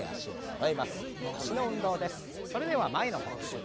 それでは前の方から。